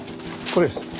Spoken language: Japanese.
これです。